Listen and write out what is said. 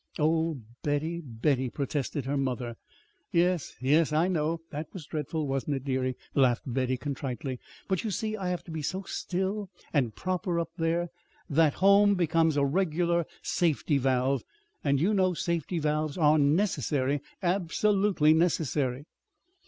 "Oh, Betty, Betty!" protested her mother. "Yes, yes, I know that was dreadful, wasn't it, dearie?" laughed Betty contritely. "But you see I have to be so still and proper up there that home becomes a regular safety valve; and you know safety valves are necessary absolutely necessary."